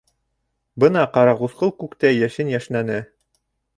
Бына ҡарағусҡыл күктә йәшен йәшнәне.